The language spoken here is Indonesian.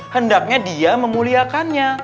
hendaknya dia memuliakannya